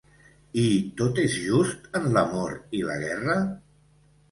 I tot és just en l'amor i la guerra?